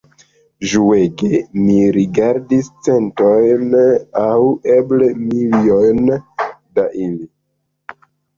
Ĝuege mi rigardis centojn aŭ eble milojn da ili.